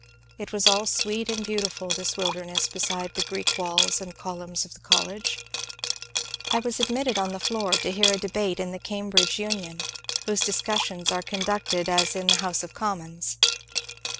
It was all sweet and beautiful, this Wilder ness beside the Greek walls and columns of the college. I was admitted on the floor to hear a debate in the Cam bridge Union, whose discussions are conducted as in the House of Commons.